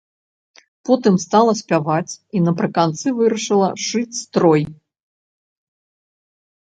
Потым стала спяваць, і напрыканцы вырашыла шыць строй.